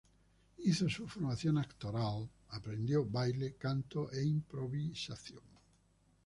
Hizo su formación actoral, aprendió baile, canto e Improvisación.